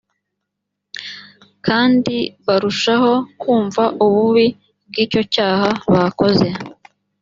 kandi barushaho kumva ububi bw’ icyo cyaha bakoze